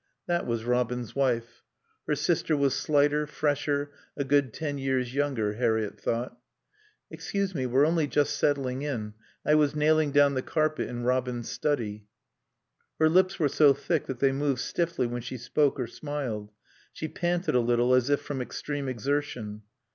That was Robin's wife. Her sister was slighter, fresher, a good ten years younger, Harriett thought. "Excuse me, we're only just settling in. I was nailing down the carpet in Robin's study." Her lips were so thick that they moved stiffly when she spoke or smiled. She panted a little as if from extreme exertion.